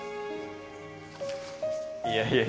いやいや。